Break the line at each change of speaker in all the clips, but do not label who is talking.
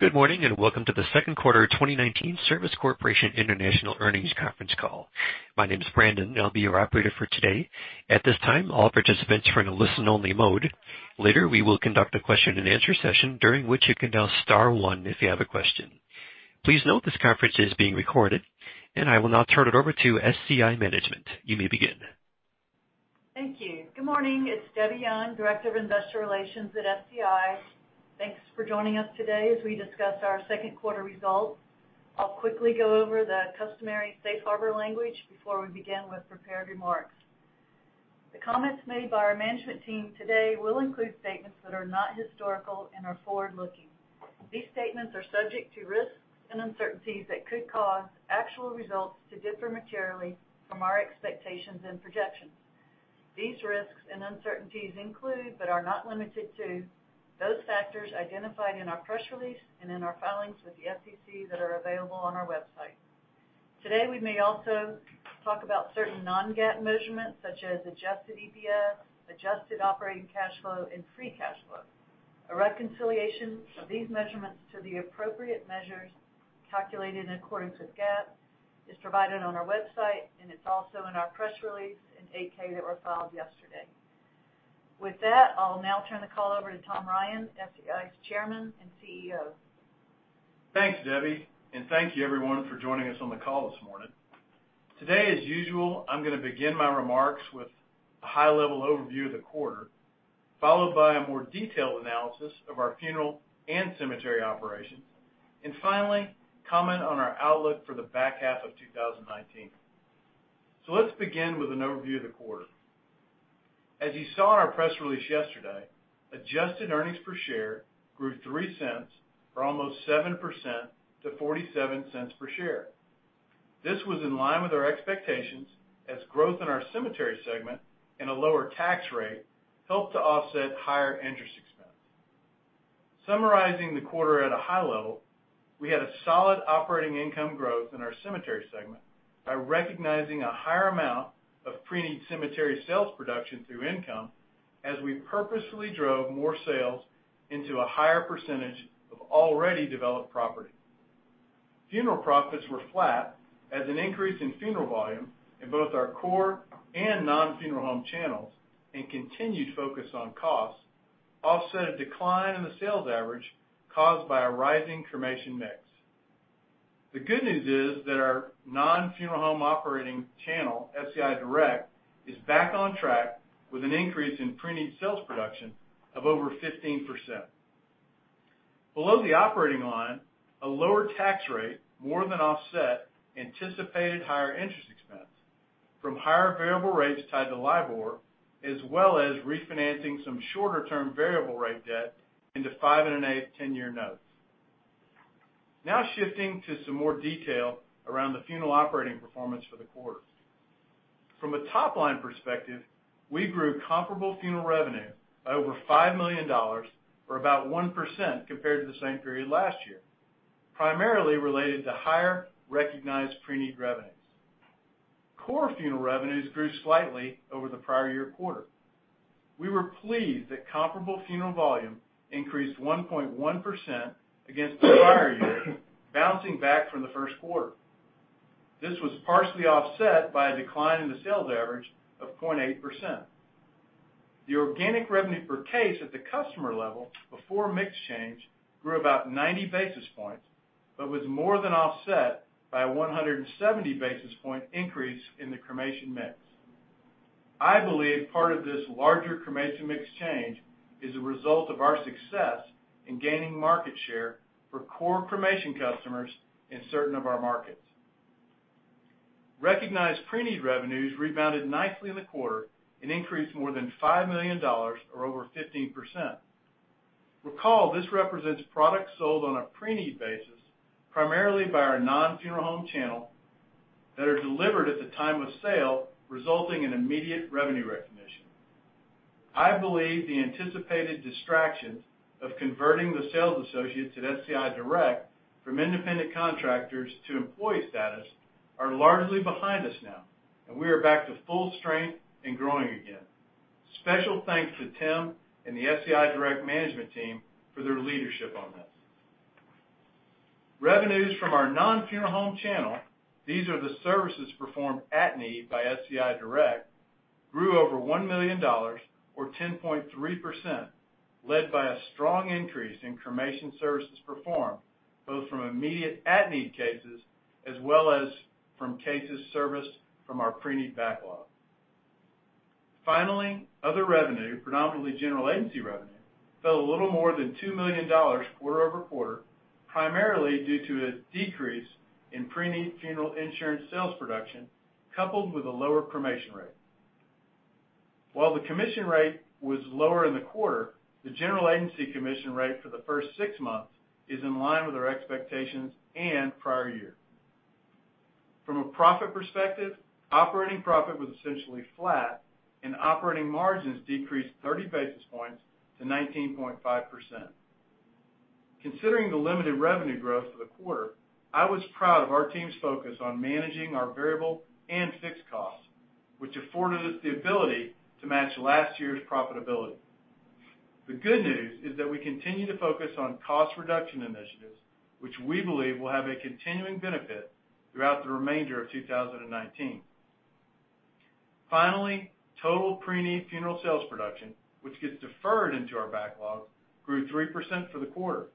Good morning, welcome to the second quarter 2019 Service Corporation International Earnings Conference Call. My name is Brandon, and I'll be your operator for today. At this time, all participants are in a listen-only mode. Later, we will conduct a question and answer session, during which you can dial star one if you have a question. Please note this conference is being recorded, and I will now turn it over to SCI management. You may begin.
Thank you. Good morning. It's Debbie Young, Director of Investor Relations at SCI. Thanks for joining us today as we discuss our second quarter results. I'll quickly go over the customary safe harbor language before we begin with prepared remarks. The comments made by our management team today will include statements that are not historical and are forward-looking. These statements are subject to risks and uncertainties that could cause actual results to differ materially from our expectations and projections. These risks and uncertainties include, but are not limited to, those factors identified in our press release and in our filings with the SEC that are available on our website. Today, we may also talk about certain non-GAAP measurements such as adjusted EPS, adjusted operating cash flow, and free cash flow. A reconciliation of these measurements to the appropriate measures calculated in accordance with GAAP is provided on our website, and it's also in our press release and 8-K that were filed yesterday. With that, I'll now turn the call over to Tom Ryan, SCI's Chairman and CEO.
Thanks, Debbie. Thank you, everyone, for joining us on the call this morning. Today, as usual, I'm going to begin my remarks with a high-level overview of the quarter, followed by a more detailed analysis of our funeral and cemetery operations, and finally, comment on our outlook for the back half of 2019. Let's begin with an overview of the quarter. As you saw in our press release yesterday, adjusted earnings per share grew $0.03, or almost 7%, to $0.47 per share. This was in line with our expectations as growth in our cemetery segment and a lower tax rate helped to offset higher interest expense. Summarizing the quarter at a high level, we had a solid operating income growth in our cemetery segment by recognizing a higher amount of preneed cemetery sales production through income as we purposefully drove more sales into a higher percentage of already developed property. Funeral profits were flat as an increase in funeral volume in both our core and non-funeral home channels and continued focus on costs offset a decline in the sales average caused by a rising cremation mix. The good news is that our non-funeral home operating channel, SCI Direct, is back on track with an increase in preneed sales production of over 15%. Below the operating line, a lower tax rate more than offset anticipated higher interest expense from higher variable rates tied to LIBOR, as well as refinancing some shorter-term variable rate debt into five and one-eighth, 10-year notes. Shifting to some more detail around the funeral operating performance for the quarter. From a top-line perspective, we grew comparable funeral revenue by over $5 million, or about 1% compared to the same period last year, primarily related to higher recognized pre-need revenues. Core funeral revenues grew slightly over the prior year quarter. We were pleased that comparable funeral volume increased 1.1% against the prior year, bouncing back from the first quarter. This was partially offset by a decline in the sales average of 0.8%. The organic revenue per case at the customer level before mix change grew about 90 basis points, was more than offset by a 170 basis point increase in the cremation mix. I believe part of this larger cremation mix change is a result of our success in gaining market share for core cremation customers in certain of our markets. Recognized pre-need revenues rebounded nicely in the quarter and increased more than $5 million, or over 15%. Recall, this represents products sold on a pre-need basis, primarily by our non-funeral home channel, that are delivered at the time of sale, resulting in immediate revenue recognition. I believe the anticipated distractions of converting the sales associates at SCI Direct from independent contractors to employee status are largely behind us now, and we are back to full strength and growing again. Special thanks to Tim and the SCI Direct management team for their leadership on this. Revenues from our non-funeral home channel, these are the services performed at-need by SCI Direct, grew over $1 million, or 10.3%, led by a strong increase in cremation services performed, both from immediate at-need cases as well as from cases serviced from our pre-need backlog. Finally, other revenue, predominantly general agency revenue, fell a little more than $2 million quarter-over-quarter, primarily due to a decrease in pre-need funeral insurance sales production, coupled with a lower cremation rate. While the commission rate was lower in the quarter, the general agency commission rate for the first six months is in line with our expectations and prior year. From a profit perspective, operating profit was essentially flat and operating margins decreased 30 basis points to 19.5%. Considering the limited revenue growth for the quarter, I was proud of our team's focus on managing our variable and fixed costs, which afforded us the ability to match last year's profitability. The good news is that we continue to focus on cost reduction initiatives, which we believe will have a continuing benefit throughout the remainder of 2019. Total pre-need funeral sales production, which gets deferred into our backlog, grew 3% for the quarter.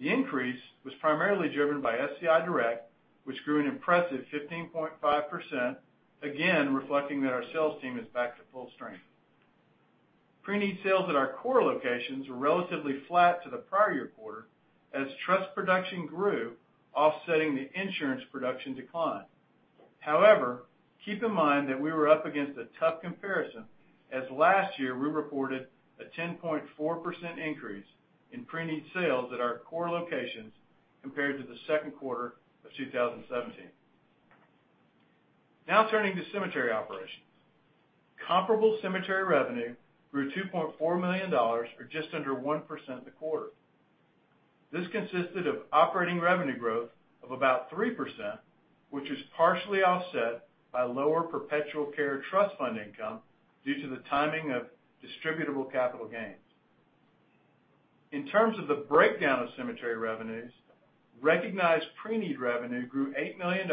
The increase was primarily driven by SCI Direct, which grew an impressive 15.5%, again, reflecting that our sales team is back to full strength. Pre-need sales at our core locations were relatively flat to the prior year quarter as trust production grew, offsetting the insurance production decline. Keep in mind that we were up against a tough comparison, as last year we reported a 10.4% increase in pre-need sales at our core locations compared to the second quarter of 2017. Turning to cemetery operations. Comparable cemetery revenue grew to $2.4 million, or just under 1% the quarter. This consisted of operating revenue growth of about 3%, which is partially offset by lower perpetual care trust fund income due to the timing of distributable capital gains. In terms of the breakdown of cemetery revenues, recognized preneed revenue grew $8 million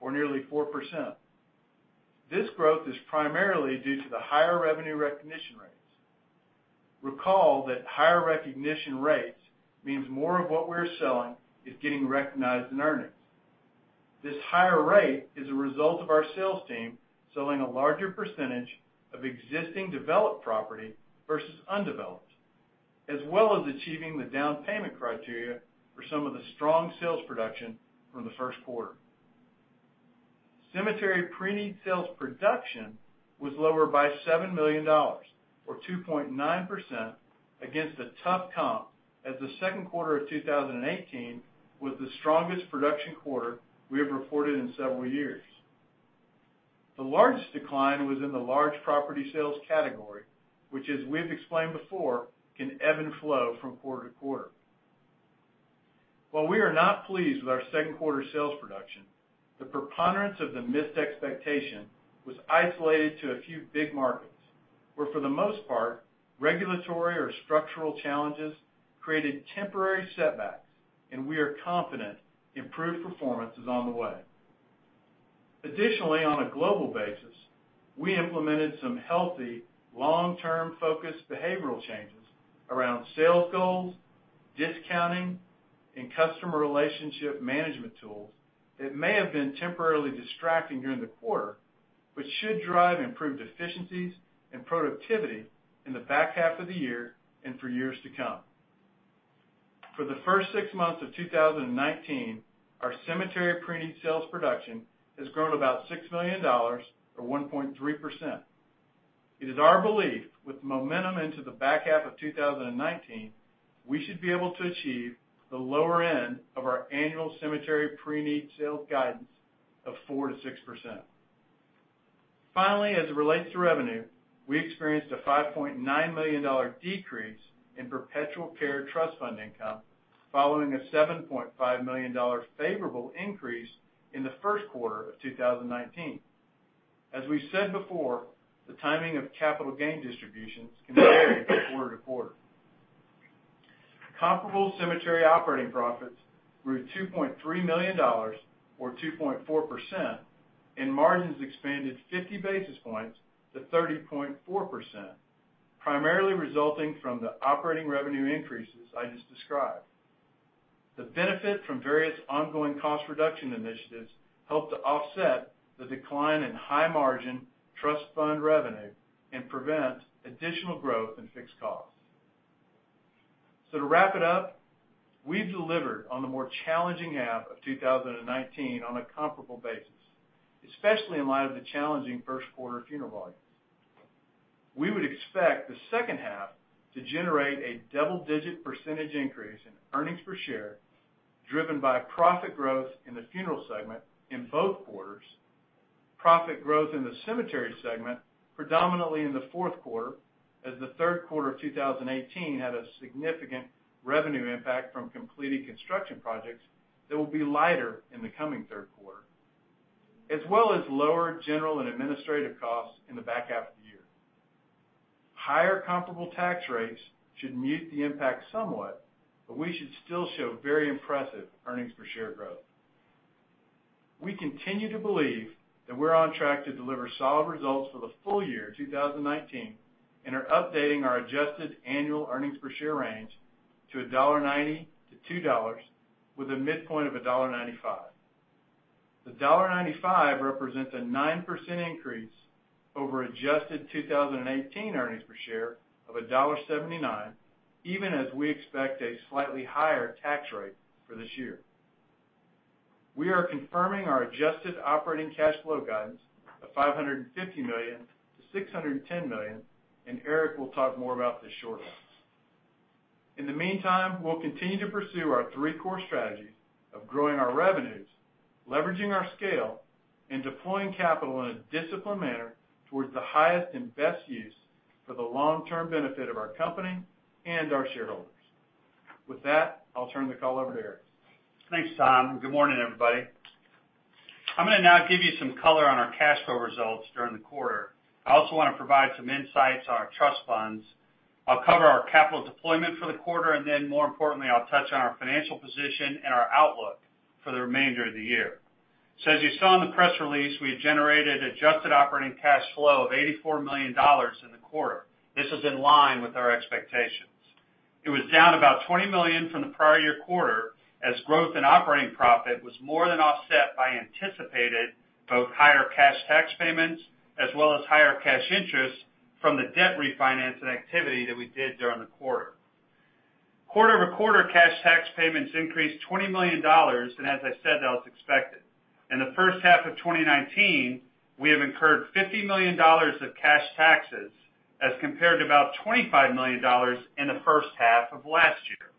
or nearly 4%. This growth is primarily due to the higher revenue recognition rates. Recall that higher recognition rates means more of what we're selling is getting recognized in earnings. This higher rate is a result of our sales team selling a larger percentage of existing developed property versus undeveloped, as well as achieving the down payment criteria for some of the strong sales production from the first quarter. Cemetery preneed sales production was lower by $7 million, or 2.9% against a tough comp as the second quarter of 2018 was the strongest production quarter we have reported in several years. The largest decline was in the large property sales category, which as we've explained before, can ebb and flow from quarter to quarter. While we are not pleased with our second quarter sales production, the preponderance of the missed expectation was isolated to a few big markets, where, for the most part, regulatory or structural challenges created temporary setbacks. We are confident improved performance is on the way. Additionally, on a global basis, we implemented some healthy long-term focus behavioral changes around sales goals, discounting, and customer relationship management tools that may have been temporarily distracting during the quarter, should drive improved efficiencies and productivity in the back half of the year and for years to come. For the first six months of 2019, our cemetery pre-need sales production has grown about $6 million or 1.3%. It is our belief, with momentum into the back half of 2019, we should be able to achieve the lower end of our annual cemetery pre-need sales guidance of 4%-6%. Finally, as it relates to revenue, we experienced a $5.9 million decrease in perpetual care trust fund income following a $7.5 million favorable increase in the first quarter of 2019. As we said before, the timing of capital gain distributions can vary quarter to quarter. Comparable cemetery operating profits grew $2.3 million or 2.4%, and margins expanded 50 basis points to 30.4%, primarily resulting from the operating revenue increases I just described. The benefit from various ongoing cost reduction initiatives helped to offset the decline in high-margin trust fund revenue and prevent additional growth in fixed costs. To wrap it up, we've delivered on the more challenging half of 2019 on a comparable basis, especially in light of the challenging first quarter funeral volumes. We would expect the second half to generate a double-digit percentage increase in earnings per share, driven by profit growth in the funeral segment in both quarters, profit growth in the cemetery segment predominantly in the fourth quarter, as the third quarter of 2018 had a significant revenue impact from completing construction projects that will be lighter in the coming third quarter, as well as lower general and administrative costs in the back half of the year. Higher comparable tax rates should mute the impact somewhat, but we should still show very impressive earnings per share growth. We continue to believe that we're on track to deliver solid results for the full year 2019 and are updating our adjusted annual earnings per share range to $1.90-$2 with a midpoint of $1.95. The $1.95 represents a 9% increase over adjusted 2018 earnings per share of $1.79, even as we expect a slightly higher tax rate for this year. We are confirming our adjusted operating cash flow guidance of $550 million to $610 million, and Eric will talk more about this shortly. In the meantime, we'll continue to pursue our three core strategies of growing our revenues, leveraging our scale, and deploying capital in a disciplined manner towards the highest and best use for the long-term benefit of our company and our shareholders. With that, I'll turn the call over to Eric.
Thanks, Tom. Good morning, everybody. I'm going to now give you some color on our cash flow results during the quarter. I also want to provide some insights on our trust funds. I'll cover our capital deployment for the quarter. More importantly, I'll touch on our financial position and our outlook for the remainder of the year. As you saw in the press release, we had generated adjusted operating cash flow of $84 million in the quarter. This is in line with our expectations. It was down about $20 million from the prior year quarter, as growth and operating profit was more than offset by anticipated, both higher cash tax payments, as well as higher cash interest from the debt refinancing activity that we did during the quarter. Quarter-over-quarter cash tax payments increased $20 million. As I said, that was expected. In the first half of 2019, we have incurred $50 million of cash taxes as compared to about $25 million in the first half of last year.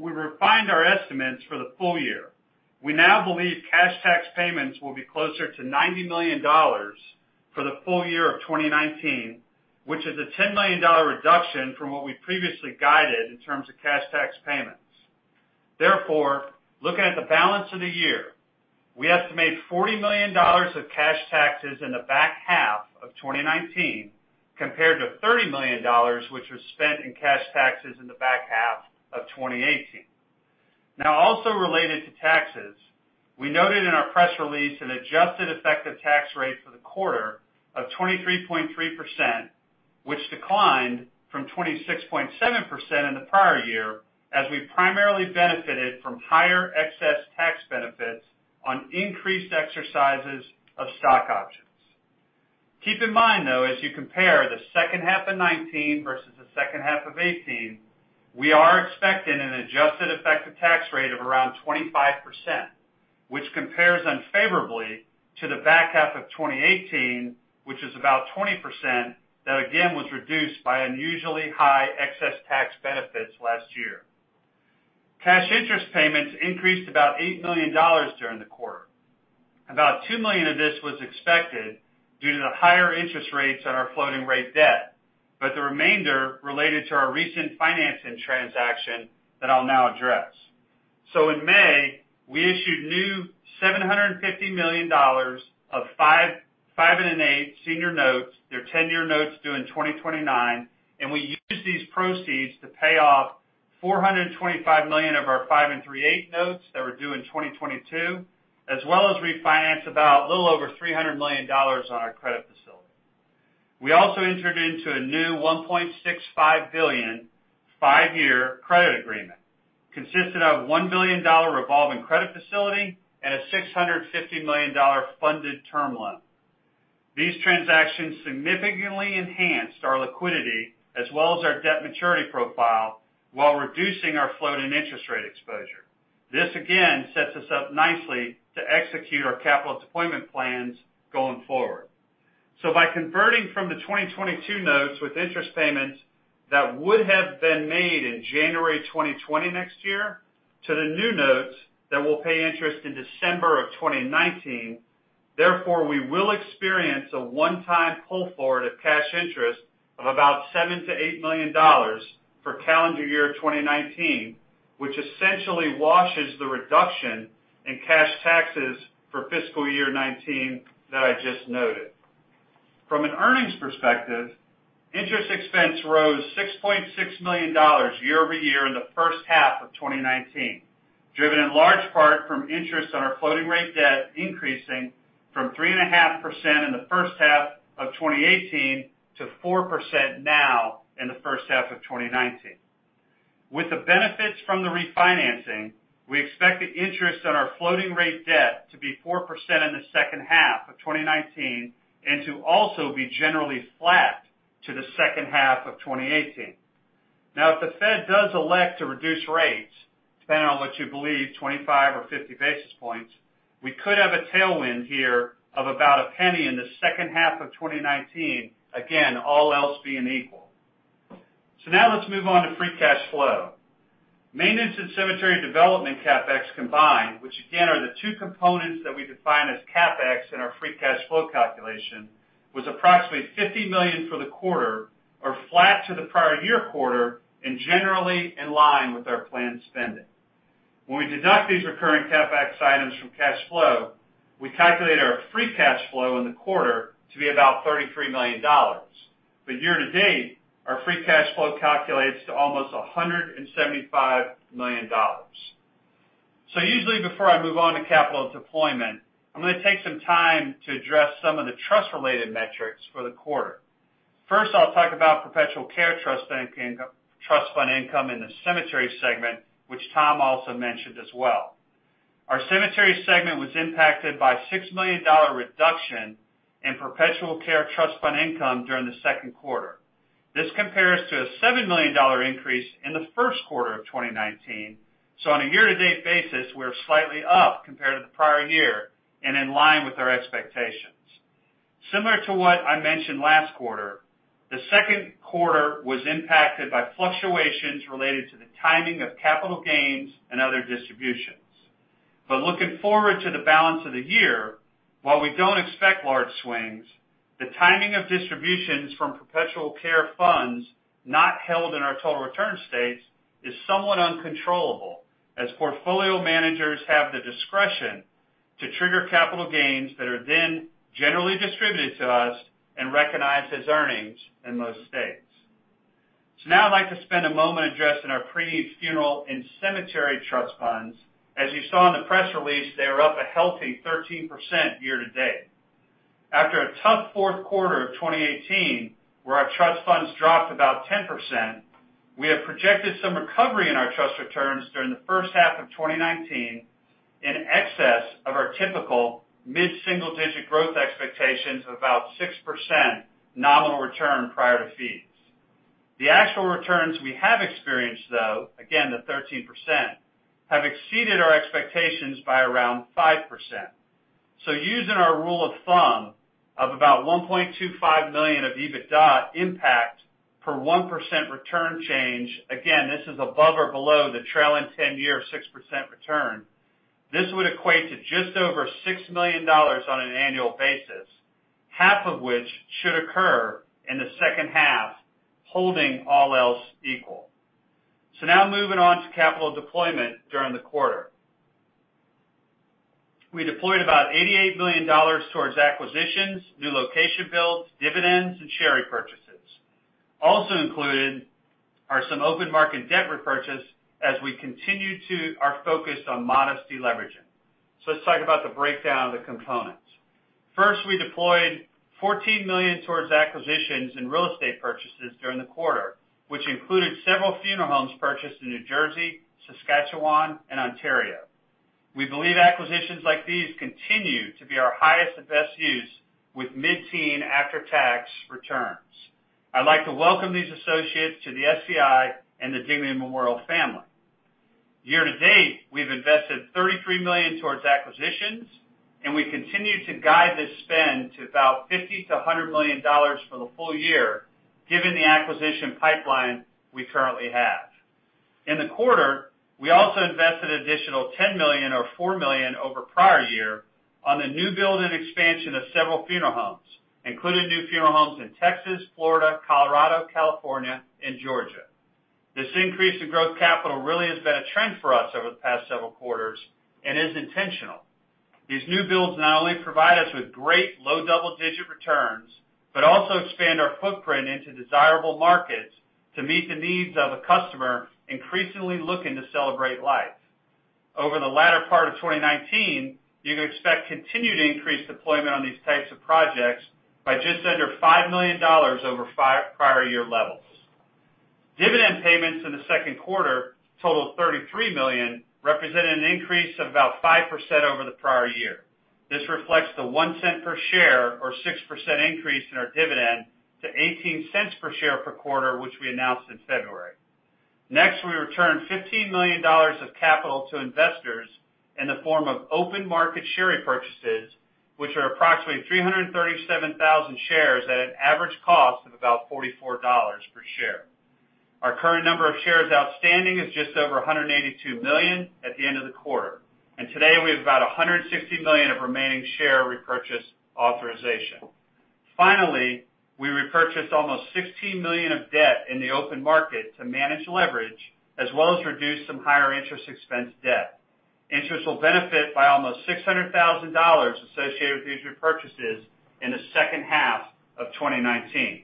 We refined our estimates for the full year. We now believe cash tax payments will be closer to $90 million for the full year of 2019, which is a $10 million reduction from what we previously guided in terms of cash tax payments. Therefore, looking at the balance of the year, we estimate $40 million of cash taxes in the back half of 2019 compared to $30 million, which was spent in cash taxes in the back half of 2018. Also related to taxes, we noted in our press release an adjusted effective tax rate for the quarter of 23.3%, which declined from 26.7% in the prior year, as we primarily benefited from higher excess tax benefits on increased exercises of stock options. Keep in mind, though, as you compare the second half of 2019 versus the second half of 2018, we are expecting an adjusted effective tax rate of around 25%, which compares unfavorably to the back half of 2018, which is about 20%, that again, was reduced by unusually high excess tax benefits last year. Cash interest payments increased about $8 million during the quarter. About $2 million of this was expected due to the higher interest rates on our floating rate debt, the remainder related to our recent financing transaction that I'll now address. In May, we issued new $750 million of five and one-eighth senior notes. They're 10-year notes due in 2029, and we used these proceeds to pay off $425 million of our five and three-eighths notes that were due in 2022, as well as refinance about a little over $300 million on our credit facility. We also entered into a new $1.65 billion five-year credit agreement consisting of a $1 billion revolving credit facility and a $650 million funded term loan. These transactions significantly enhanced our liquidity as well as our debt maturity profile while reducing our floating interest rate exposure. This, again, sets us up nicely to execute our capital deployment plans going forward. By converting from the 2022 Notes with interest payments that would have been made in January 2020 next year to the new notes that will pay interest in December of 2019, therefore, we will experience a one-time pull-forward of cash interest of about $7 million-$8 million for calendar year 2019, which essentially washes the reduction in cash taxes for fiscal year 2019 that I just noted. From an earnings perspective, interest expense rose $6.6 million year-over-year in the first half of 2019, driven in large part from interest on our floating rate debt increasing from 3.5% in the first half of 2018 to 4% now in the first half of 2019. With the benefits from the refinancing, we expect the interest on our floating rate debt to be 4% in the second half of 2019 and to also be generally flat to the second half of 2018. If the Fed does elect to reduce rates, depending on what you believe, 25 or 50 basis points, we could have a tailwind here of about $0.01 in the second half of 2019, again, all else being equal. Now let's move on to free cash flow. Maintenance and cemetery development CapEx combined, which again, are the two components that we define as CapEx in our free cash flow calculation, was approximately $50 million for the quarter or flat to the prior year quarter and generally in line with our planned spending. We deduct these recurring CapEx items from cash flow, we calculate our free cash flow in the quarter to be about $33 million. Year-to-date, our free cash flow calculates to almost $175 million. Usually before I move on to capital deployment, I'm going to take some time to address some of the trust-related metrics for the quarter. First, I'll talk about perpetual care trust fund income in the cemetery segment, which Tom also mentioned as well. Our cemetery segment was impacted by a $6 million reduction in perpetual care trust fund income during the second quarter. This compares to a $7 million increase in the first quarter of 2019. On a year-to-date basis, we're slightly up compared to the prior year and in line with our expectations. Similar to what I mentioned last quarter, the second quarter was impacted by fluctuations related to the timing of capital gains and other distributions. Looking forward to the balance of the year, while we don't expect large swings, the timing of distributions from perpetual care funds not held in our total return states is somewhat uncontrollable, as portfolio managers have the discretion to trigger capital gains that are then generally distributed to us and recognized as earnings in most states. Now I'd like to spend a moment addressing our pre-need funeral and cemetery trust funds. As you saw in the press release, they are up a healthy 13% year-to-date. After a tough fourth quarter of 2018, where our trust funds dropped about 10%, we have projected some recovery in our trust returns during the first half of 2019 in excess of our typical mid-single-digit growth expectations of about 6% nominal return prior to fees. The actual returns we have experienced, though, again, the 13%, have exceeded our expectations by around 5%. Using our rule of thumb of about $1.25 million of EBITDA impact per 1% return change, again, this is above or below the trailing 10-year 6% return, this would equate to just over $6 million on an annual basis, half of which should occur in the second half, holding all else equal. Now moving on to capital deployment during the quarter. We deployed about $88 million towards acquisitions, new location builds, dividends, and share repurchases. Also included are some open market debt repurchase as we continue to our focus on modest deleveraging. Let's talk about the breakdown of the components. First, we deployed $14 million towards acquisitions and real estate purchases during the quarter, which included several funeral homes purchased in New Jersey, Saskatchewan, and Ontario. We believe acquisitions like these continue to be our highest and best use with mid-teen after-tax returns. I'd like to welcome these associates to the SCI and the Dignity Memorial family. Year-to-date, we've invested $33 million towards acquisitions, and we continue to guide this spend to about $50 million-$100 million for the full year, given the acquisition pipeline we currently have. In the quarter, we also invested additional $10 million or $4 million over prior year on the new build and expansion of several funeral homes, including new funeral homes in Texas, Florida, Colorado, California, and Georgia. This increase in growth capital really has been a trend for us over the past several quarters and is intentional. These new builds not only provide us with great low double-digit returns, but also expand our footprint into desirable markets to meet the needs of a customer increasingly looking to celebrate life. Over the latter part of 2019, you can expect continued increased deployment on these types of projects by just under $5 million over prior year levels. Dividend payments in the second quarter totaled $33 million, representing an increase of about 5% over the prior year. This reflects the $0.01 per share or 6% increase in our dividend to $0.18 per share per quarter, which we announced in February. Next, we returned $15 million of capital to investors in the form of open market share repurchases, which are approximately 337,000 shares at an average cost of about $44 per share. Our current number of shares outstanding is just over 182 million at the end of the quarter. Today, we have about 160 million of remaining share repurchase authorization. Finally, we repurchased almost $16 million of debt in the open market to manage leverage, as well as reduce some higher interest expense debt. Interest will benefit by almost $600,000 associated with these repurchases in the second half of 2019.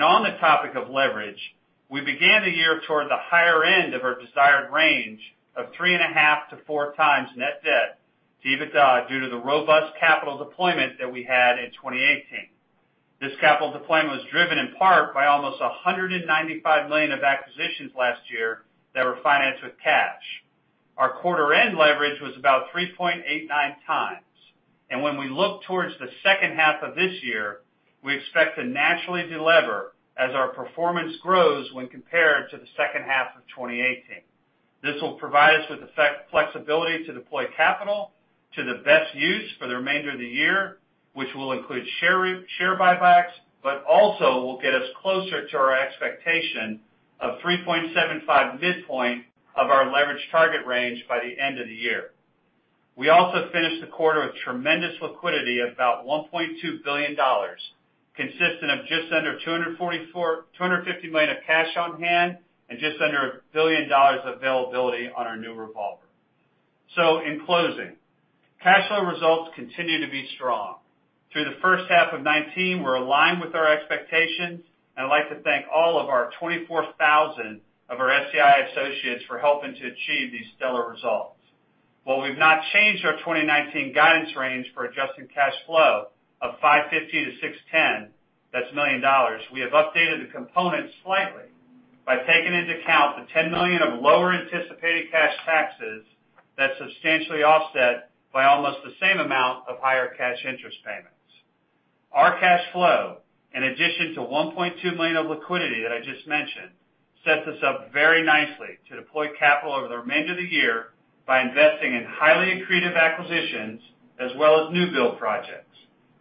On the topic of leverage, we began the year toward the higher end of our desired range of 3.5 to 4 times net debt to EBITDA due to the robust capital deployment that we had in 2018. This capital deployment was driven in part by almost $195 million of acquisitions last year that were financed with cash. Our quarter-end leverage was about 3.89 times. When we look towards the second half of this year, we expect to naturally delever as our performance grows when compared to the second half of 2018. This will provide us with the flexibility to deploy capital to the best use for the remainder of the year, which will include share buybacks, but also will get us closer to our expectation of 3.75 midpoint of our leverage target range by the end of the year. We also finished the quarter with tremendous liquidity of about $1.2 billion, consisting of just under $250 million of cash on hand and just under $1 billion availability on our new revolver. In closing, cash flow results continue to be strong. Through the first half of 2019, we're aligned with our expectations. I'd like to thank all of our 24,000 of our SCI associates for helping to achieve these stellar results. While we've not changed our 2019 guidance range for adjusted cash flow of $550 million-$610 million, we have updated the components slightly by taking into account the $10 million of lower anticipated cash taxes that's substantially offset by almost the same amount of higher cash interest payments. Our cash flow, in addition to $1.2 million of liquidity that I just mentioned, sets us up very nicely to deploy capital over the remainder of the year by investing in highly accretive acquisitions as well as new build projects.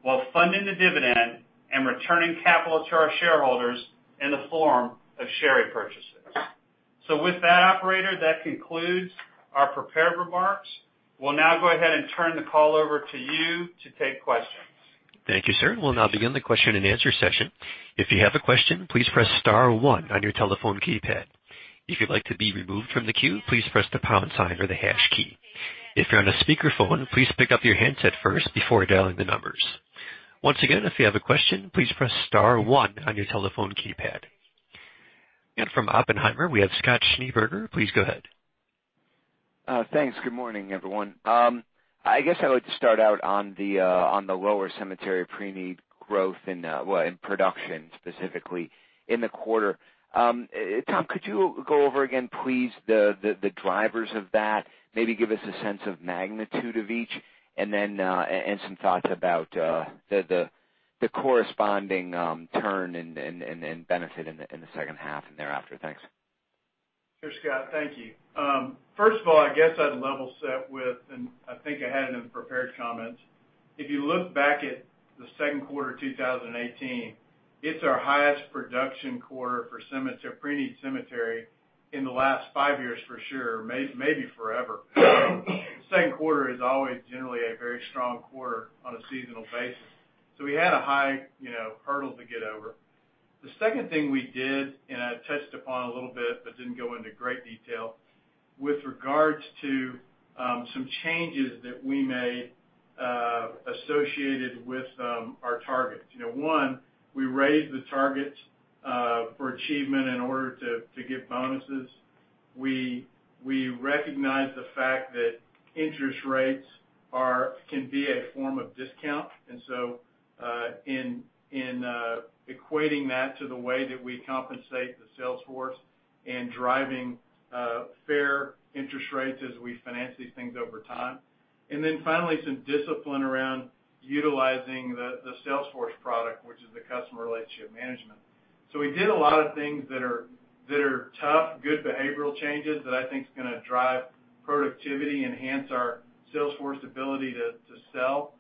While funding the dividend and returning capital to our shareholders in the form of share repurchases. With that operator, that concludes our prepared remarks. We'll now go ahead and turn the call over to you to take questions.
Thank you, sir. We'll now begin the question and answer session. If you have a question, please press star one on your telephone keypad. If you'd like to be removed from the queue, please press the pound sign or the hash key. If you're on a speakerphone, please pick up your handset first before dialing the numbers. Once again, if you have a question, please press star one on your telephone keypad. From Oppenheimer, we have Scott Schneeberger. Please go ahead.
Thanks. Good morning, everyone. I guess I'd like to start out on the lower cemetery pre-need growth in production, specifically in the quarter. Tom, could you go over again, please, the drivers of that, maybe give us a sense of magnitude of each, and some thoughts about the corresponding turn and benefit in the second half and thereafter? Thanks.
Sure, Scott. Thank you. First of all, I guess I'd level set with, and I think I had it in prepared comments. If you look back at the second quarter 2018, it's our highest production quarter for pre-need cemetery in the last five years for sure, maybe forever. Second quarter is always generally a very strong quarter on a seasonal basis. We had a high hurdle to get over. The second thing we did, and I touched upon a little bit, but didn't go into great detail, with regards to some changes that we made associated with our targets. One, we raised the targets for achievement in order to give bonuses. We recognize the fact that interest rates can be a form of discount. In equating that to the way that we compensate the sales force and driving fair interest rates as we finance these things over time. Finally, some discipline around utilizing the Salesforce product, which is the customer relationship management. We did a lot of things that are tough, good behavioral changes that I think is going to drive productivity, enhance our sales force ability to sell.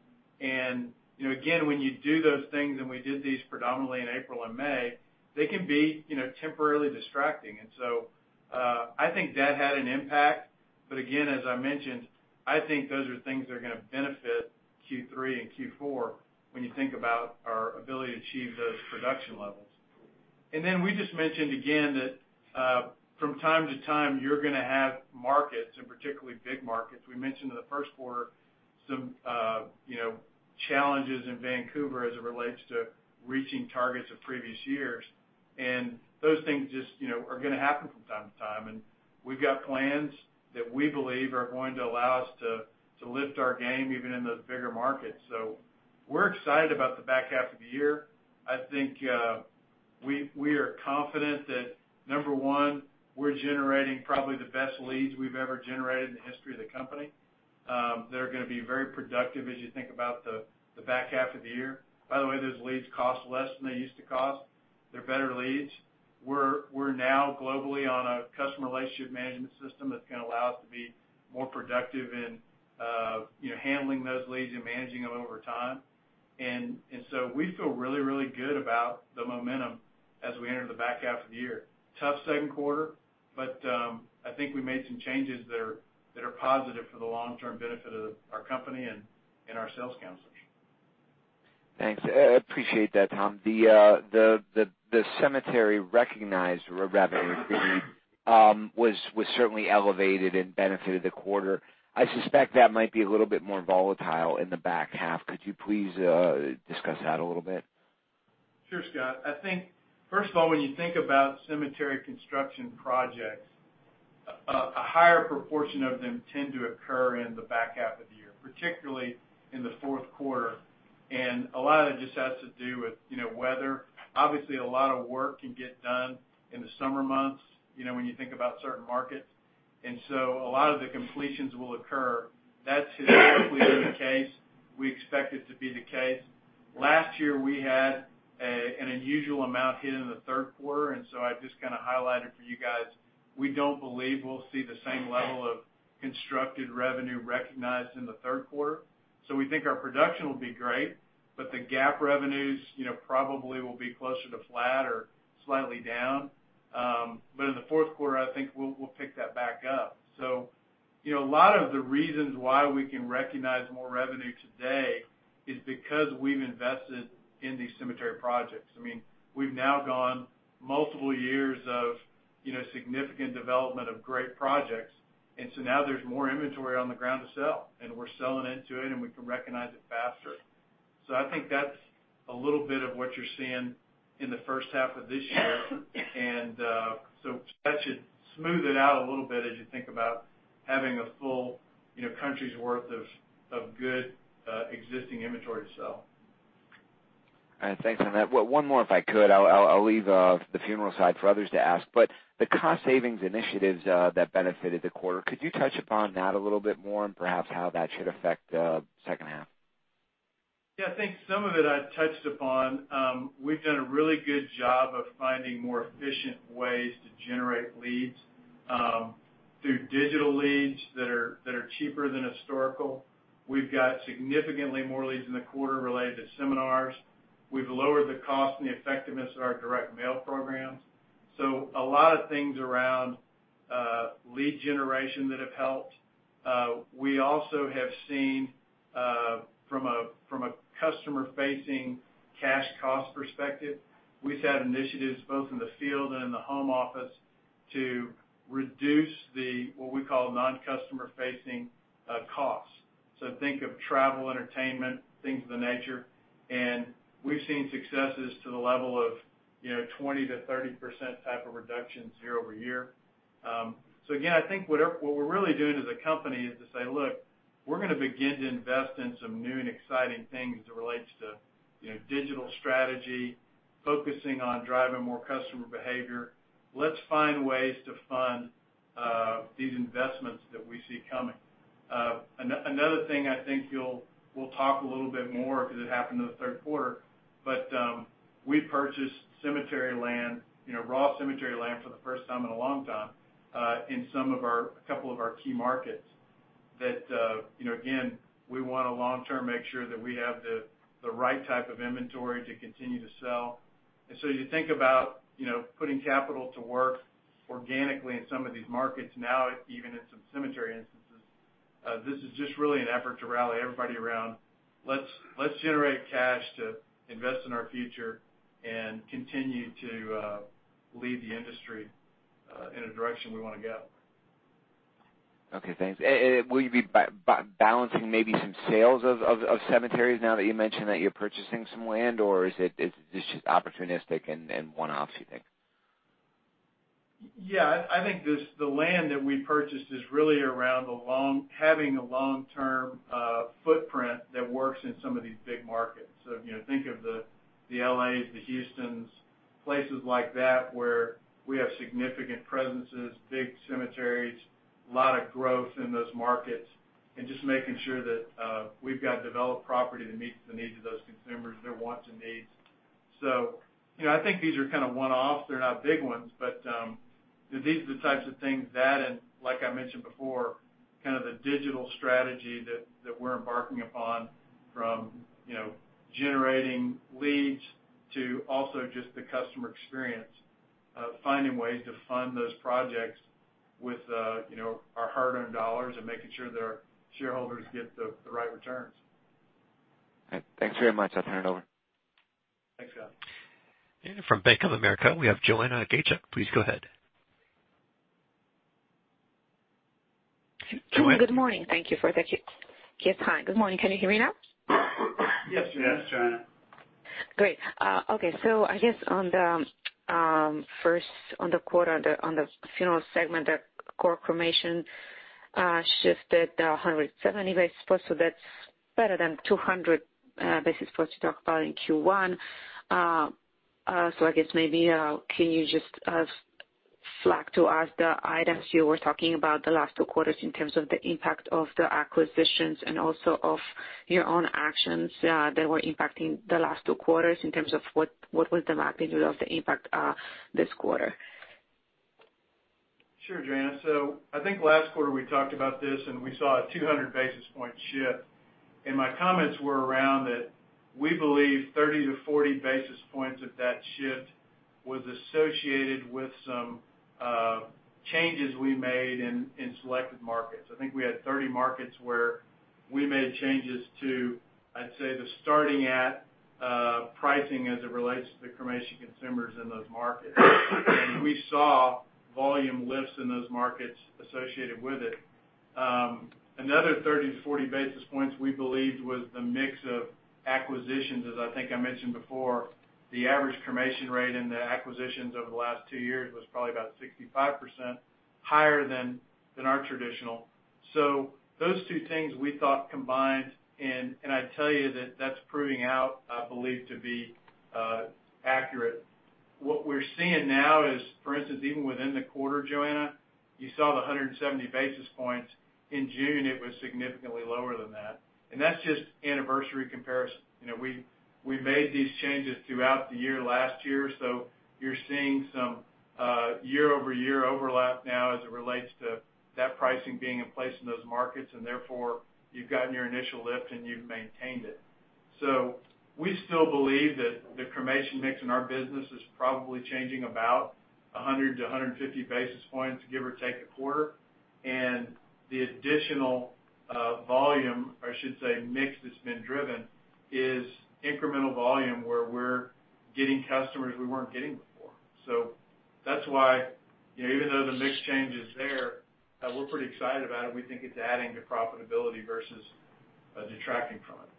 Again, when you do those things, and we did these predominantly in April and May, they can be temporarily distracting. I think that had an impact. Again, as I mentioned, I think those are things that are going to benefit Q3 and Q4 when you think about our ability to achieve those production levels. We just mentioned again that from time to time you're going to have markets, and particularly big markets. We mentioned in the first quarter some challenges in Vancouver as it relates to reaching targets of previous years. Those things just are going to happen from time to time. We've got plans that we believe are going to allow us to lift our game even in those bigger markets. We're excited about the back half of the year. I think we are confident that, number one, we're generating probably the best leads we've ever generated in the history of the company that are going to be very productive as you think about the back half of the year. By the way, those leads cost less than they used to cost. They're better leads. We're now globally on a customer relationship management system that's going to allow us to be more productive in handling those leads and managing them over time. We feel really good about the momentum as we enter the back half of the year. Tough second quarter. I think we made some changes that are positive for the long-term benefit of our company and our sales counselors.
Thanks. I appreciate that, Tom. The cemetery recognized revenue was certainly elevated and benefited the quarter. I suspect that might be a little bit more volatile in the back half. Could you please discuss that a little bit?
Sure, Scott. I think, first of all, when you think about cemetery construction projects, a higher proportion of them tend to occur in the back half of the year, particularly in the fourth quarter. A lot of it just has to do with weather. Obviously, a lot of work can get done in the summer months, when you think about certain markets, and so a lot of the completions will occur. That's historically been the case. We expect it to be the case. Last year, we had an unusual amount hit in the third quarter, and so I've just kind of highlighted for you guys, we don't believe we'll see the same level of constructed revenue recognized in the third quarter. We think our production will be great, but the GAAP revenues probably will be closer to flat or slightly down. In the fourth quarter, I think we'll pick that back up. A lot of the reasons why we can recognize more revenue today is because we've invested in these cemetery projects. I mean, we've now gone multiple years of significant development of great projects. Now there's more inventory on the ground to sell, and we're selling into it, and we can recognize it faster. I think that's a little bit of what you're seeing in the first half of this year. That should smooth it out a little bit as you think about having a full country's worth of good existing inventory to sell.
All right. Thanks on that. One more, if I could. I'll leave the funeral side for others to ask. The cost savings initiatives that benefited the quarter, could you touch upon that a little bit more and perhaps how that should affect the second half?
Yeah, I think some of it I touched upon. Through digital leads that are cheaper than historical. We've got significantly more leads in the quarter related to seminars. We've lowered the cost and the effectiveness of our direct mail programs. A lot of things around lead generation that have helped. We also have seen, from a customer-facing cash cost perspective, we've had initiatives both in the field and in the home office to reduce the, what we call non-customer facing costs. Think of travel, entertainment, things of that nature. We've seen successes to the level of 20%-30% type of reductions year-over-year. Again, I think what we're really doing as a company is to say, "Look, we're going to begin to invest in some new and exciting things as it relates to digital strategy, focusing on driving more customer behavior. Let's find ways to fund these investments that we see coming." Another thing I think we'll talk a little bit more, because it happened in the third quarter, but we purchased raw cemetery land for the first time in a long time in a couple of our key markets that, again, we want to long-term make sure that we have the right type of inventory to continue to sell. You think about putting capital to work organically in some of these markets now, even in some cemetery instances. This is just really an effort to rally everybody around, let's generate cash to invest in our future and continue to lead the industry in a direction we want to go.
Okay, thanks. Will you be balancing maybe some sales of cemeteries now that you mentioned that you're purchasing some land, or is this just opportunistic and one-offs, you think?
I think the land that we purchased is really around having a long-term footprint that works in some of these big markets. Think of the L.A.s, the Houstons, places like that where we have significant presences, big cemeteries, a lot of growth in those markets, and just making sure that we've got developed property that meets the needs of those consumers, their wants and needs. I think these are kind of one-offs. They're not big ones. These are the types of things that, and like I mentioned before, kind of the Digital Strategy that we're embarking upon from generating leads to also just the customer experience, finding ways to fund those projects with our hard-earned dollars and making sure that our shareholders get the right returns.
Thanks very much. I'll turn it over.
Thanks, Scott.
From Bank of America, we have Joanna Gajuk. Please go ahead. Joanna?
Good morning. Thank you for the queue time. Good morning. Can you hear me now?
Yes. Yes, Joanna.
Great. Okay. I guess on the first, on the quarter, on the funeral segment, the core cremation shifted 170 basis points, so that's better than 200 basis points you talked about in Q1. I guess maybe can you just flag to us the items you were talking about the last two quarters in terms of the impact of the acquisitions and also of your own actions that were impacting the last two quarters in terms of what was the magnitude of the impact this quarter?
Sure, Joanna. I think last quarter we talked about this, and we saw a 200 basis points shift. My comments were around that we believe 30 to 40 basis points of that shift was associated with some changes we made in selected markets. I think we had 30 markets where we made changes to, I'd say, the starting at pricing as it relates to the cremation consumers in those markets. We saw volume lifts in those markets associated with it. Another 30 to 40 basis points we believed was the mix of acquisitions. As I think I mentioned before, the average cremation rate in the acquisitions over the last two years was probably about 65% higher than our traditional. Those two things we thought combined, and I'd tell you that's proving out, I believe, to be accurate. What we're seeing now is, for instance, even within the quarter, Joanna, you saw the 170 basis points. In June, it was significantly lower than that. That's just anniversary comparison. We made these changes throughout the year last year. You're seeing some year-over-year overlap now as it relates to that pricing being in place in those markets, and therefore you've gotten your initial lift and you've maintained it. We still believe that the cremation mix in our business is probably changing about 100 to 150 basis points, give or take a quarter. The additional volume, or I should say, mix that's been driven, is incremental volume where we're getting customers we weren't getting before. That's why even though the mix change is there, we're pretty excited about it. We think it's adding to profitability versus detracting from it.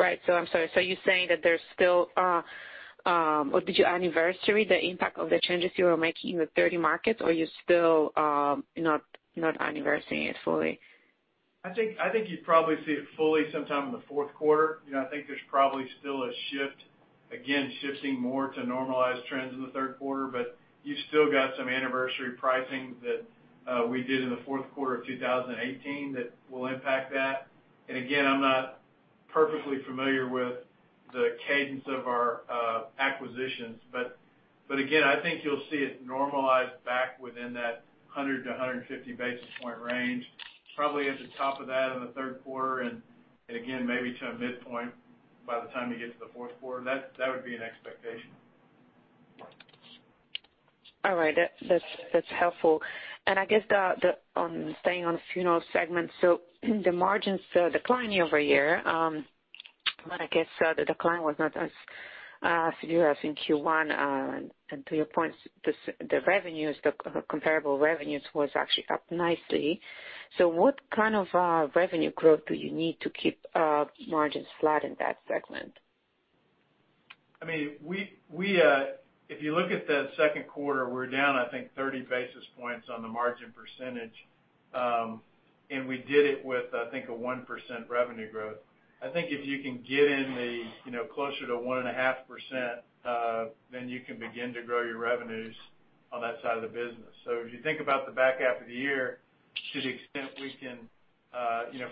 Right. I'm sorry. Are you saying that there's still, or did you anniversary the impact of the changes you were making in the 30 markets, or you're still not anniversaring it fully?
I think you'd probably see it fully sometime in the fourth quarter. I think there's probably still a shift, again, shifting more to normalized trends in the third quarter. You still got some anniversary pricing that we did in the fourth quarter of 2018 that will impact that. Again, I'm not perfectly familiar with the cadence of our acquisitions. Again, I think you'll see it normalize back within that 100-150 basis point range, probably at the top of that in the third quarter, and again, maybe to a midpoint by the time you get to the fourth quarter. That would be an expectation.
All right. That's helpful. I guess, staying on the funeral segment, the margins are declining year-over-year. I guess, the decline was not as severe as in Q1. To your point, the comparable revenues was actually up nicely. What kind of revenue growth do you need to keep margins flat in that segment?
If you look at the second quarter, we're down, I think, 30 basis points on the margin percentage. We did it with, I think, a 1% revenue growth. I think if you can get in closer to 1.5%, then you can begin to grow your revenues on that side of the business. If you think about the back half of the year, to the extent we can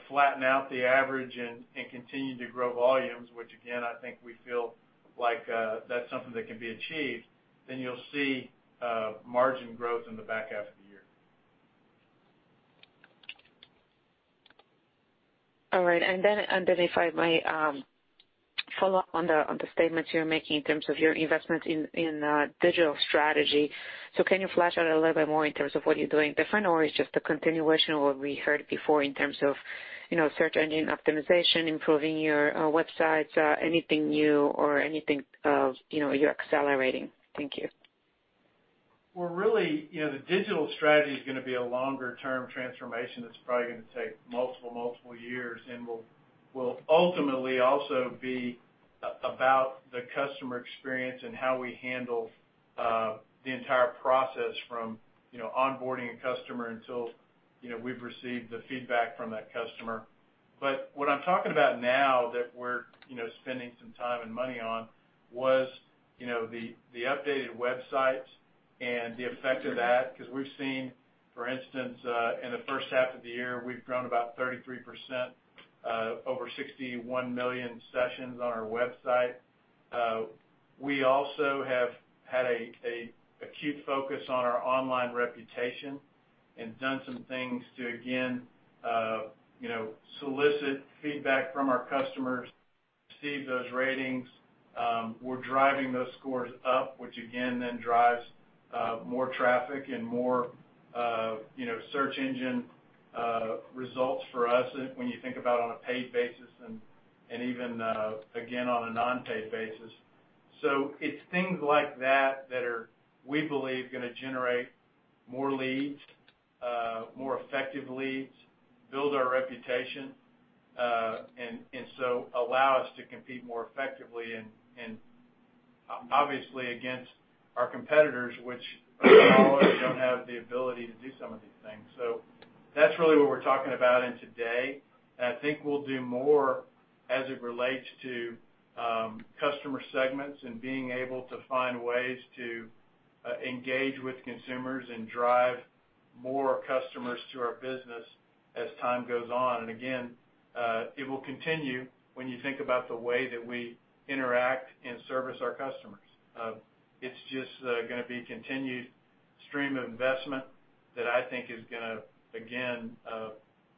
flatten out the average and continue to grow volumes, which again, I think we feel like that's something that can be achieved, then you'll see margin growth in the back half of the year.
All right. If I may follow up on the statements you're making in terms of your investment in digital strategy. Can you flesh out a little bit more in terms of what you're doing different, or it's just a continuation of what we heard before in terms of search engine optimization, improving your websites, anything new or anything you're accelerating? Thank you.
Well, really, the digital strategy is going to be a longer-term transformation that's probably going to take multiple years and will ultimately also be about the customer experience and how we handle the entire process from onboarding a customer until we've received the feedback from that customer. What I'm talking about now that we're spending some time and money on was the updated websites and the effect of that, because we've seen, for instance, in the first half of the year, we've grown about 33%, over 61 million sessions on our website. We also have had a acute focus on our online reputation and done some things to, again solicit feedback from our customers, receive those ratings. We're driving those scores up, which again, then drives more traffic and more search engine results for us when you think about on a paid basis and even, again, on a non-paid basis. It's things like that that are, we believe, going to generate more leads, more effective leads, build our reputation, and so allow us to compete more effectively and obviously against our competitors, which a lot don't have the ability to do some of these things. That's really what we're talking about in today. I think we'll do more as it relates to customer segments and being able to find ways to engage with consumers and drive more customers to our business as time goes on. Again, it will continue when you think about the way that we interact and service our customers. It's just going to be continued stream of investment that I think is going to, again,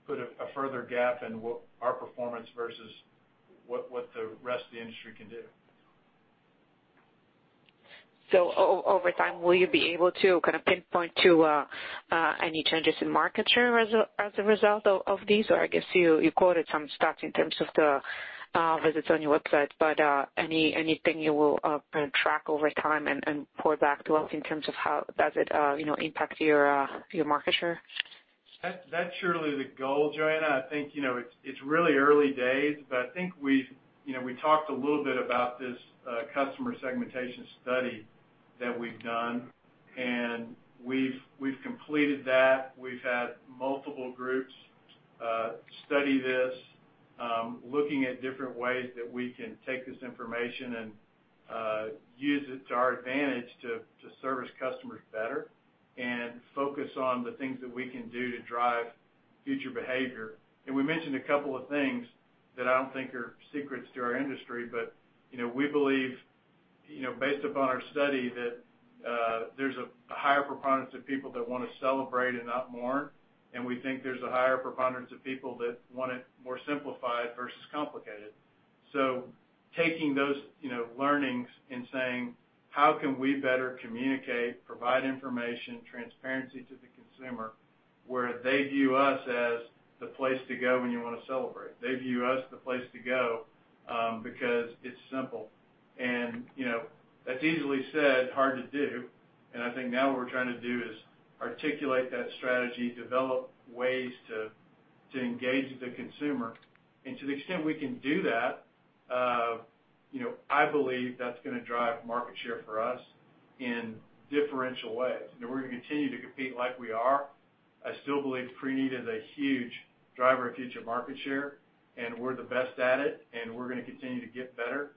put a further gap in our performance versus what the rest of the industry can do.
Over time, will you be able to kind of pinpoint to any changes in market share as a result of these? I guess you quoted some stats in terms of the visits on your website, but anything you will kind of track over time and report back to us in terms of how does it impact your market share?
That's surely the goal, Joanna. I think it's really early days. I think we talked a little bit about this customer segmentation study that we've done, and we've completed that. We've had multiple groups study this, looking at different ways that we can take this information and use it to our advantage to service customers better and focus on the things that we can do to drive future behavior. We mentioned a couple of things that I don't think are secrets to our industry, but we believe, based upon our study, that there's a higher preponderance of people that want to celebrate and not mourn. We think there's a higher preponderance of people that want it more simplified versus complicated. Taking those learnings and saying, how can we better communicate, provide information, transparency to the consumer, where they view us as the place to go when you want to celebrate. They view us the place to go because it's simple. That's easily said, hard to do, and I think now what we're trying to do is articulate that strategy, develop ways to engage the consumer. To the extent we can do that, I believe that's going to drive market share for us in differential ways. We're going to continue to compete like we are. I still believe preneed is a huge driver of future market share, and we're the best at it, and we're going to continue to get better.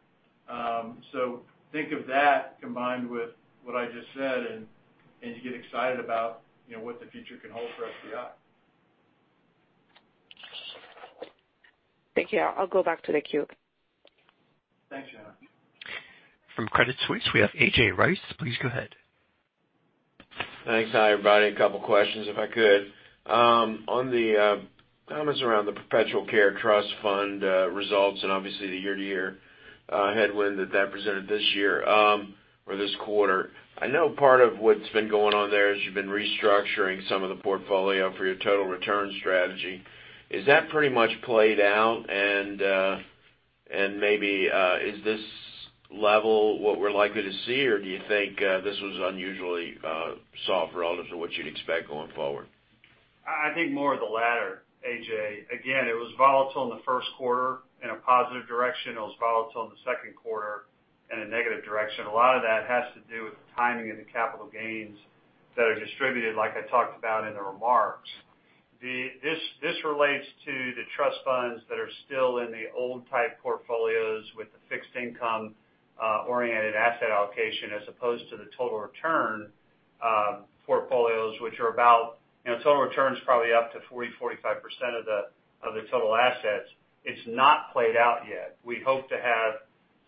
Think of that combined with what I just said, and you get excited about what the future can hold for SCI.
Thank you. I'll go back to the queue.
Thanks, Joanna.
From Credit Suisse, we have A.J. Rice. Please go ahead.
Thanks. Hi, everybody. A couple questions, if I could. On the comments around the perpetual care trust fund results, obviously the year-to-year headwind that presented this year or this quarter. I know part of what's been going on there is you've been restructuring some of the portfolio for your total return strategy. Is that pretty much played out, and maybe is this level what we're likely to see, or do you think this was unusually soft relative to what you'd expect going forward?
I think more of the latter, A.J. It was volatile in the first quarter in a positive direction. It was volatile in the second quarter in a negative direction. A lot of that has to do with the timing of the capital gains that are distributed, like I talked about in the remarks. This relates to the trust funds that are still in the old type portfolios with the fixed income-oriented asset allocation as opposed to the total return portfolios. Total return's probably up to 40%, 45% of the total assets. It's not played out yet. We hope to have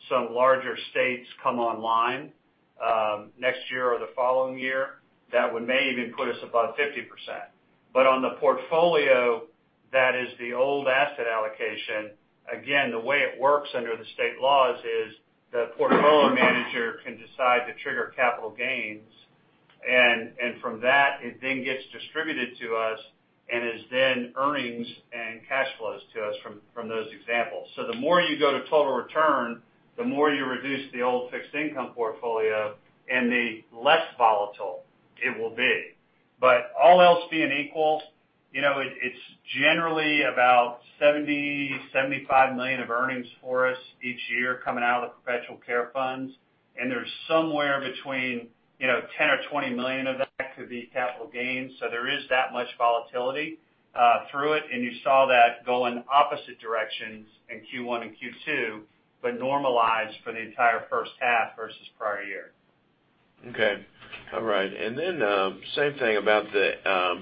some larger states come online, next year or the following year. That may even put us above 50%. On the portfolio, that is the old asset allocation. The way it works under the state laws is the portfolio manager can decide to trigger capital gains, and from that, it then gets distributed to us and is then earnings and cash flows to us from those examples. The more you go to total return, the more you reduce the old fixed income portfolio and the less volatile it will be. All else being equal, it's generally about $70 million, $75 million of earnings for us each year coming out of the perpetual care funds, and there's somewhere between $10 million or $20 million of that could be capital gains. There is that much volatility through it, and you saw that go in opposite directions in Q1 and Q2, but normalized for the entire first half versus prior year.
Okay. All right. Same thing about the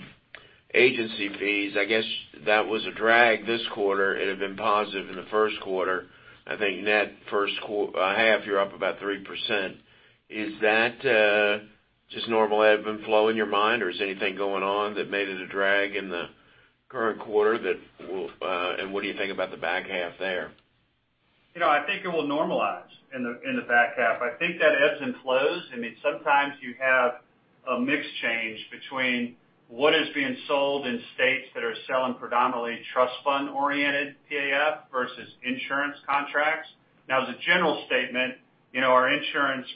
agency fees. I guess that was a drag this quarter. It had been positive in the first quarter. I think net first half, you're up about 3%. Is that just normal ebb and flow in your mind, or is anything going on that made it a drag in the current quarter, and what do you think about the back half there?
I think it will normalize in the back half. I think that ebbs and flows. Sometimes you have a mix change between what is being sold in states that are selling predominantly trust fund-oriented PAF versus insurance contracts. As a general statement, our insurance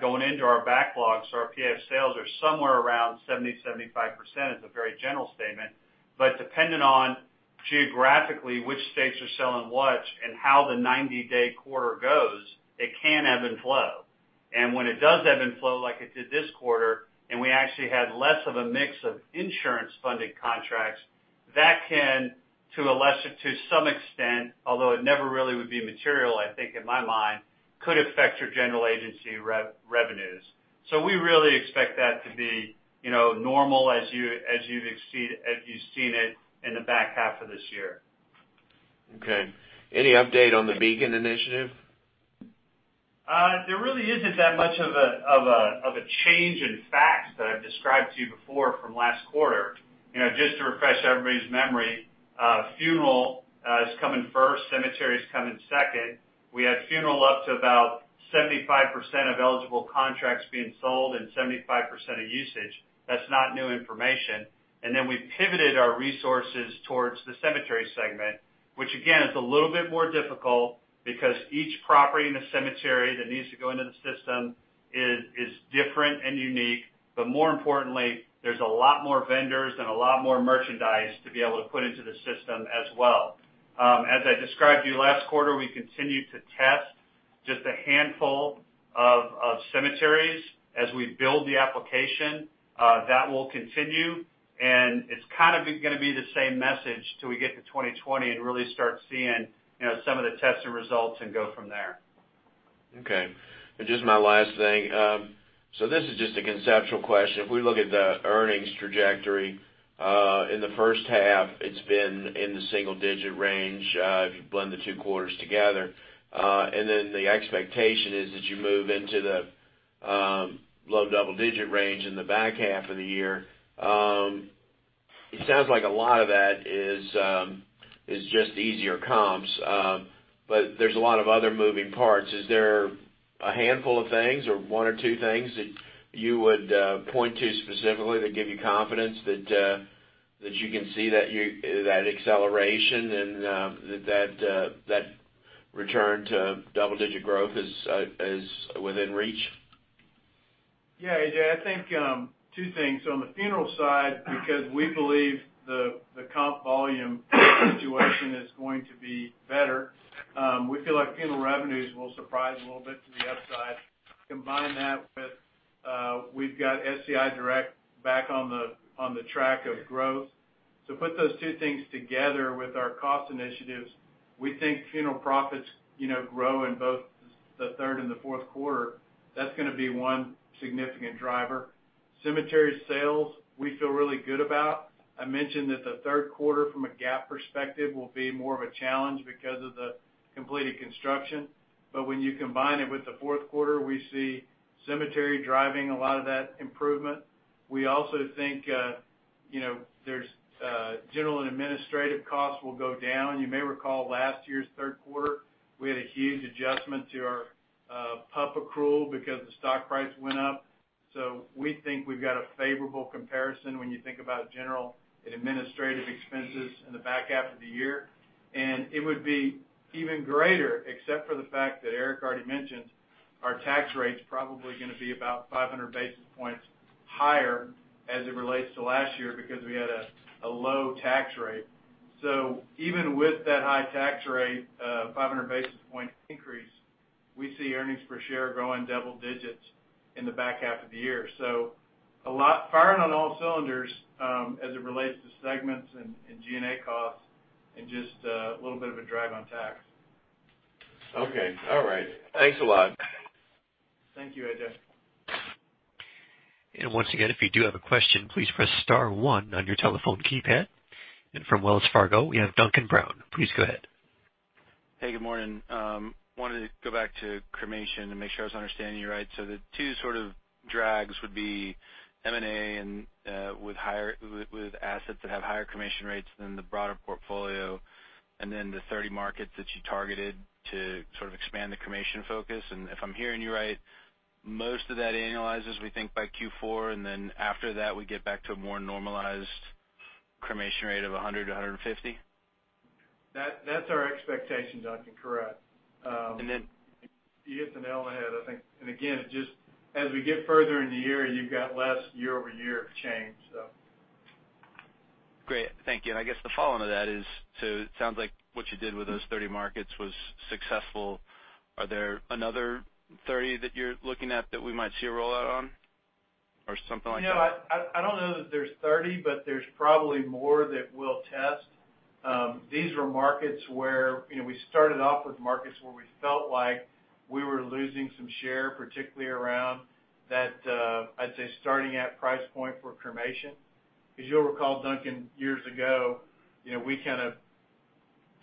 going into our backlogs, so our PAF sales are somewhere around 70%-75%, as a very general statement. Dependent on geographically which states are selling what and how the 90-day quarter goes, it can ebb and flow. When it does ebb and flow like it did this quarter, and we actually had less of a mix of insurance-funded contracts, that can, to some extent, although it never really would be material, I think in my mind, could affect your general agency revenue. We really expect that to be normal as you've seen it in the back half of this year.
Okay. Any update on the Beacon initiative?
There really isn't that much of a change in facts that I've described to you before from last quarter. Just to refresh everybody's memory, funeral is coming first, cemetery's coming second. We had funeral up to about 75% of eligible contracts being sold and 75% of usage. That's not new information. Then we pivoted our resources towards the cemetery segment, which again, is a little bit more difficult because each property in the cemetery that needs to go into the system is different and unique. More importantly, there's a lot more vendors and a lot more merchandise to be able to put into the system as well. As I described to you last quarter, we continued to test just a handful of cemeteries as we build the application. That will continue, and it's going to be the same message till we get to 2020 and really start seeing some of the tests and results and go from there.
Okay. Just my last thing. This is just a conceptual question. If we look at the earnings trajectory, in the first half, it's been in the single-digit range if you blend the two quarters together. Then the expectation is that you move into the low double-digit range in the back half of the year. It sounds like a lot of that is just easier comps. There's a lot of other moving parts. Is there a handful of things or one or two things that you would point to specifically that give you confidence that you can see that acceleration and that return to double-digit growth is within reach?
Yeah, A.J. I think two things. On the funeral side, because we believe the comp volume situation is going to be better, we feel like funeral revenues will surprise a little bit to the upside. Combine that with. We've got SCI Direct back on the track of growth. Put those two things together with our cost initiatives, we think funeral profits grow in both the third and the fourth quarter. That's going to be one significant driver. Cemetery sales, we feel really good about. I mentioned that the third quarter from a GAAP perspective will be more of a challenge because of the completed construction. When you combine it with the fourth quarter, we see cemetery driving a lot of that improvement. We also think general and administrative costs will go down. You may recall last year's third quarter, we had a huge adjustment to our PUP accrual because the stock price went up. We think we've got a favorable comparison when you think about general and administrative expenses in the back half of the year. It would be even greater, except for the fact that Eric already mentioned our tax rate's probably going to be about 500 basis points higher as it relates to last year because we had a low tax rate. Even with that high tax rate, a 500 basis point increase, we see earnings per share growing double digits in the back half of the year. Firing on all cylinders as it relates to segments and G&A costs and just a little bit of a drag on tax.
Okay. All right. Thanks a lot.
Thank you, A.J.
Once again, if you do have a question, please press *1 on your telephone keypad. From Wells Fargo, we have Duncan Brown. Please go ahead.
Hey, good morning. Wanted to go back to cremation to make sure I was understanding you right. The two sort of drags would be M&A with assets that have higher cremation rates than the broader portfolio, and then the 30 markets that you targeted to sort of expand the cremation focus. If I'm hearing you right, most of that annualizes, we think, by Q4, and then after that, we get back to a more normalized cremation rate of 100-150?
That's our expectation, Duncan. Correct.
And then-
You hit the nail on the head, I think. Again, as we get further in the year, you've got less year-over-year change.
Great. Thank you. I guess the follow-on to that is, it sounds like what you did with those 30 markets was successful. Are there another 30 that you're looking at that we might see a rollout on or something like that?
I don't know that there's 30, but there's probably more that we'll test. These were markets where we started off with markets where we felt like we were losing some share, particularly around that, I'd say, starting at price point for cremation. You'll recall, Duncan, years ago, we kind of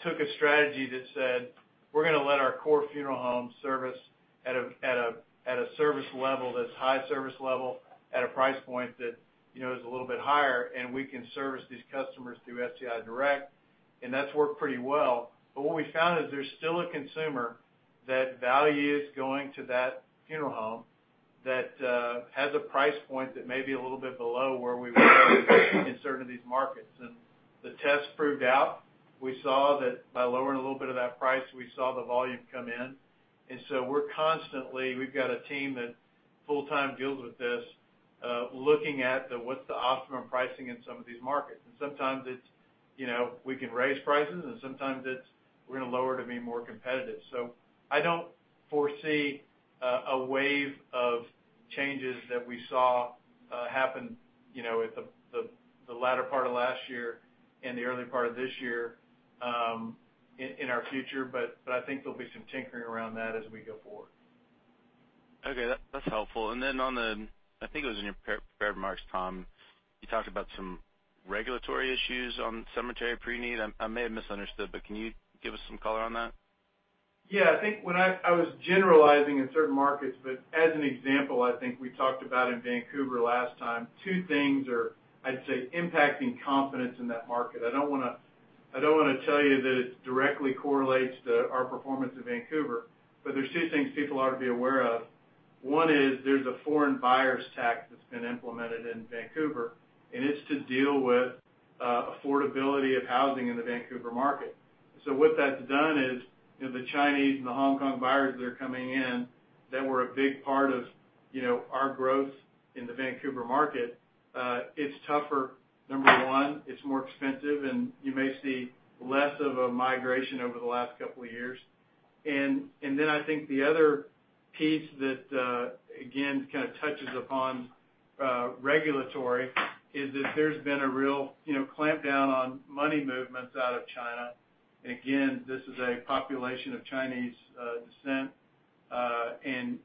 took a strategy that said, we're going to let our core funeral home service at a service level that's high service level at a price point that is a little bit higher, and we can service these customers through SCI Direct, and that's worked pretty well. What we found is there's still a consumer that values going to that funeral home that has a price point that may be a little bit below where we were in certain of these markets. The test proved out. We saw that by lowering a little bit of that price, we saw the volume come in. We're constantly, we've got a team that full-time deals with this, looking at what's the optimum pricing in some of these markets. Sometimes it's we can raise prices, and sometimes it's we're going to lower to be more competitive. I don't foresee a wave of changes that we saw happen at the latter part of last year and the early part of this year in our future, but I think there'll be some tinkering around that as we go forward.
Okay. That's helpful. On the, I think it was in your prepared remarks, Tom, you talked about some regulatory issues on cemetery pre-need. I may have misunderstood, can you give us some color on that?
I think I was generalizing in certain markets, but as an example, I think we talked about in Vancouver last time, two things are, I'd say, impacting confidence in that market. I don't want to tell you that it directly correlates to our performance in Vancouver, but there's two things people ought to be aware of. One is there's a foreign buyers tax that's been implemented in Vancouver, and it's to deal with affordability of housing in the Vancouver market. What that's done is the Chinese and the Hong Kong buyers that are coming in that were a big part of our growth in the Vancouver market, it's tougher. Number one, it's more expensive, and you may see less of a migration over the last couple of years. Then I think the other piece that, again, kind of touches upon regulatory is that there's been a real clampdown on money movements out of China. Again, this is a population of Chinese descent, and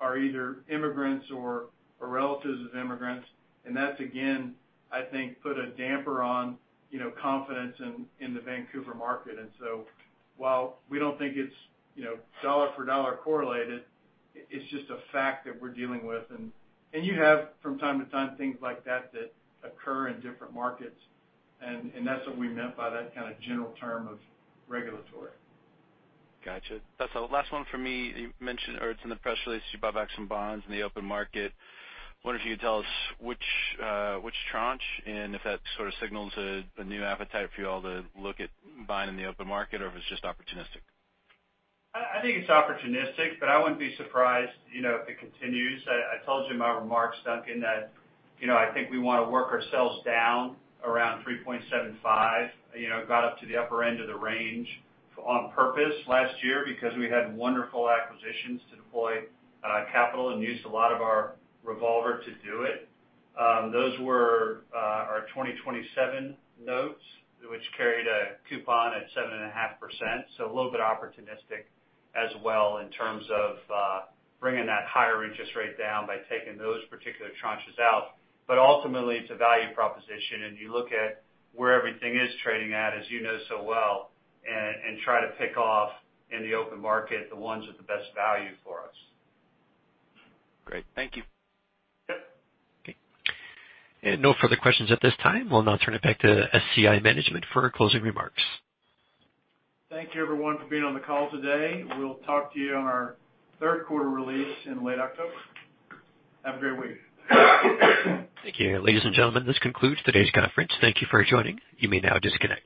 are either immigrants or relatives of immigrants. That's, again, I think put a damper on confidence in the Vancouver market. So while we don't think it's dollar for dollar correlated, it's just a fact that we're dealing with. You have from time to time things like that that occur in different markets, and that's what we meant by that kind of general term of regulatory.
Got you. That's the last one for me. You mentioned, or it's in the press release, you buy back some bonds in the open market. Wonder if you could tell us which tranche, and if that sort of signals a new appetite for you all to look at buying in the open market, or if it's just opportunistic?
I think it's opportunistic, but I wouldn't be surprised if it continues. I told you in my remarks, Duncan, that I think we want to work ourselves down around 3.75. We got up to the upper end of the range on purpose last year because we had wonderful acquisitions to deploy capital and used a lot of our revolver to do it. Those were our 2027 notes, which carried a coupon at 7.5%. A little bit opportunistic as well in terms of bringing that higher interest rate down by taking those particular tranches out. Ultimately, it's a value proposition, and you look at where everything is trading at, as you know so well, and try to pick off in the open market the ones with the best value for us.
Great. Thank you.
Yep.
Okay. No further questions at this time. We'll now turn it back to SCI management for closing remarks.
Thank you, everyone, for being on the call today. We'll talk to you on our third quarter release in late October. Have a great week.
Thank you. Ladies and gentlemen, this concludes today's conference. Thank you for joining. You may now disconnect.